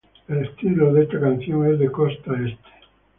El estilo de esta canción es de costa este.